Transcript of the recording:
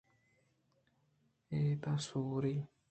اِدا سواری